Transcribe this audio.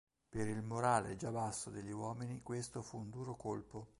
Per il morale già basso degli uomini questo fu un duro colpo.